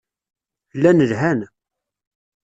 Llan lhan.